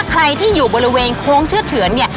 ใครที่อยู่บริเวณโค้งเชือดเฉือนเนี่ย